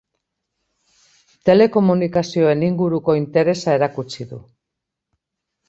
Telekomunikazioen inguruko interesa erakutsi du.